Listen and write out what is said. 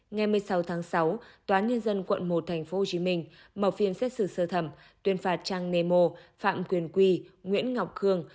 ngày một mươi sáu tháng sáu tòa nhân dân quận một tp hcm mở phiên xét xử sơ thẩm tuyên phạt trang nemo phạm quyền quy nguyễn ngọc khương